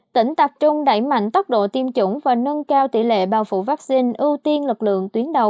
tỉnh tập trung đẩy mạnh tốc độ tiêm chủng và nâng cao tỷ lệ bao phủ vaccine ưu tiên lực lượng tuyến đầu